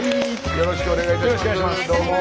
よろしくお願いします。